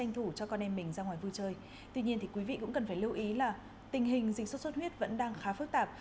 tuy nhiên quý vị cũng cần phải lưu ý là tình hình dịch sốt xuất huyết vẫn đang khá phức tạp